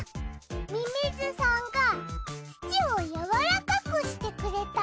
ミミズさんが土を柔らかくしてくれた。